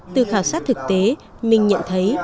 từ khảo sát thực tế minh nhận thấy